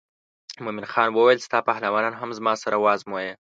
مومن خان وویل ستا پهلوانان هم زما سره وازمایه.